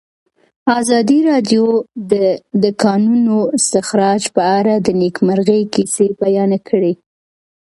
ازادي راډیو د د کانونو استخراج په اړه د نېکمرغۍ کیسې بیان کړې.